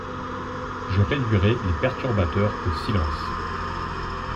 Je réduirai les perturbateurs au silence.